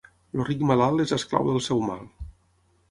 El ric malalt és esclau del seu mal.